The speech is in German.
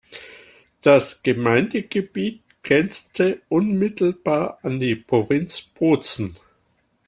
Das Gemeindegebiet grenzte unmittelbar an die Provinz Bozen.